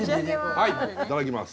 はいいただきます。